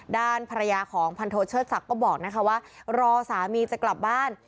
ด้านภรรยาของพันโทเชิดศักดิ์ก็บอกนะคะว่ารอสามีจะกลับบ้าน